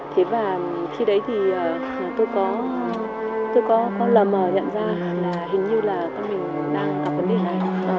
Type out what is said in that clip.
thế và khi đấy thì tôi có lầm nhận ra là hình như là con mình đang có vấn đề này